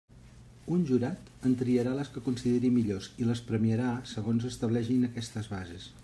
Un jurat en triarà les que consideri millors i les premiarà segons estableixen aquestes bases.